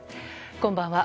こんばんは。